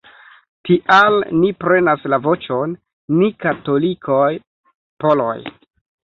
Tial ni prenas la voĉon, ni katolikoj-poloj".